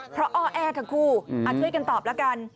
เพราะอ้อแอทั้งคู่ช่วยกันตอบแล้วกัน